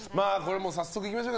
早速いきましょう。